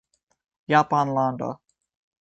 Japanlando